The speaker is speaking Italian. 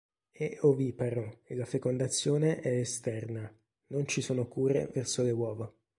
È oviparo e la fecondazione è esterna; non ci sono cure verso le uova.